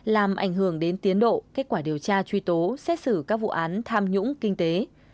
làm ảnh hưởng đến tiến độ kết quả điều tra truy tố xét xử các vụ án tham nhũng kinh tế